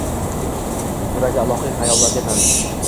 Yuragi ilohiy xayollarga band.